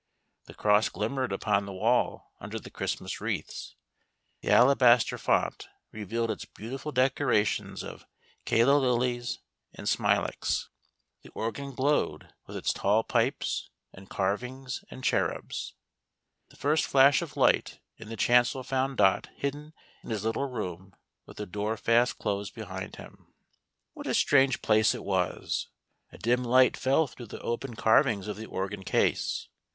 The cross glimmered upon the wall under the Christmas wreaths ; the alabaster font revealed its beautiful decorations of calla lilies and smilax; the organ glowed with its tall pipes, and carv ings and cherubs. The first flash of light in the chancel found Dot hidden in his little room with the door fast closed behind him. HOW DOT HEARD " THE MESSIAH.' 13 What a strange place it was! A dim light fell through the open carvings of the organ case.